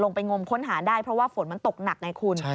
ไปงมค้นหาได้เพราะว่าฝนมันตกหนักไงคุณ